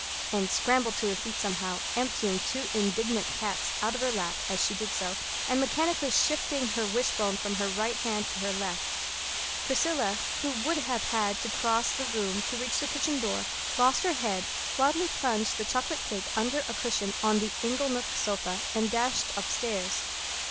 Anne scrambled to her feet somehow, emptying two indignant cats out of her lap as she did so, and mechanically shifting her wishbone from her right hand to her left. Priscilla, who would have had to cross the room to reach the kitchen door, lost her head, wildly plunged the chocolate cake under a cushion on the inglenook sofa, and dashed upstairs.